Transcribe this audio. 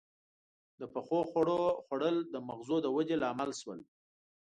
• د پخو خوړو خوړل د مغزو د ودې لامل شول.